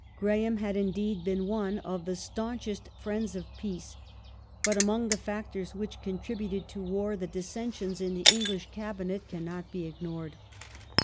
^ Graham had indeed been one of the staunchest friends of peace, Dissen but among the factors which contributed to war the dissensions in ^{^^"gjj" the English Cabinet cannot be ignored.